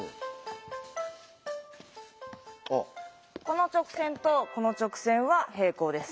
この直線とこの直線は平行です。